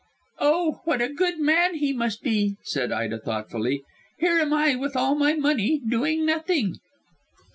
"Oh, what a good man he must be," said Ida thoughtfully. "Here am I, with all my money, doing nothing."